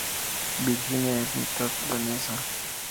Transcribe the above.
Virginia es mitad danesa.